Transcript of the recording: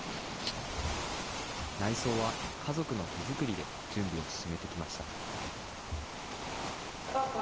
内装は家族の手作りで準備を進めてきました。